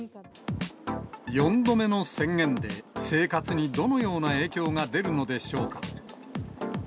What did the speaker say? ４度目の宣言で、生活にどのような影響が出るのでしょうか。